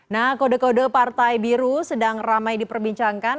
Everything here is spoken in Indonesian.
nah kode kode partai biru sedang ramai diperbincangkan